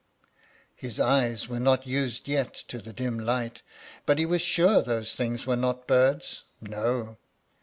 His eyes were not used yet to the dim light; but he was sure those things were not birds, no.